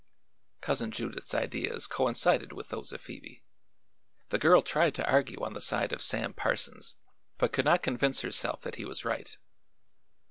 Cousin Judith's ideas coincided with those of Phoebe. The girl tried to argue on the side of Sam Parsons, but could not convince herself that he was right.